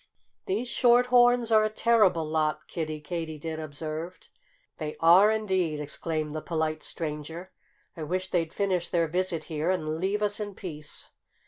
"These Short horns are a terrible lot!" Kiddie Katydid observed. "They are, indeed!" exclaimed the polite stranger. "I wish they'd finish their visit here and leave us in peace."